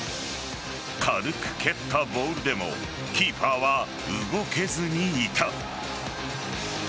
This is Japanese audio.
軽く蹴ったボールでもキーパーは動けずにいた。